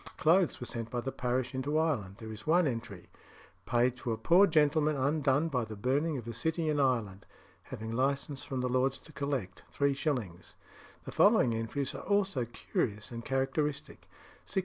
Clothes were sent by the parish into Ireland. There is one entry Paid to a poor gentleman undone by the burning of a city in Ireland; having licence from the lords to collect £0 3 0 The following entries are also curious and characteristic: 1642.